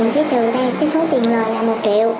mình sẽ trừ đây cái số tiền lời là một triệu